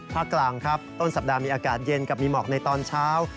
กลางครับต้นสัปดาห์มีอากาศเย็นกับมีหมอกในตอนเช้า